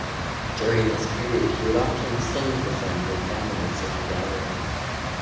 During this period, he would often sing for friends and family at social gatherings.